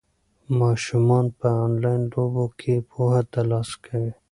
ماشومان په انلاین لوبو کې پوهه ترلاسه کوي.